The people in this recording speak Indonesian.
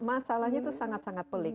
masalahnya itu sangat sangat pelik